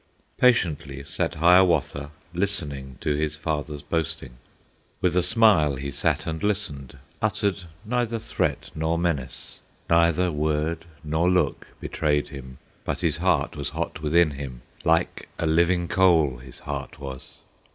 Patiently sat Hiawatha, Listening to his father's boasting; With a smile he sat and listened, Uttered neither threat nor menace, Neither word nor look betrayed him, But his heart was hot within him, Like a living coal his heart was.